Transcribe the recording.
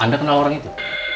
anda kenal orang itu